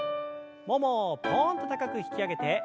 ももをぽんと高く引き上げて。